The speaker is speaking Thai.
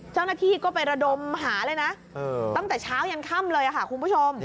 เจ้าหน้าที่ก็ไประดมหาเลยนะตั้งแต่เช้ายันค่ำเลยค่ะคุณผู้ชม